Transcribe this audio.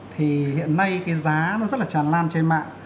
thì hiện nay cái giá nó rất là tràn lan trên mạng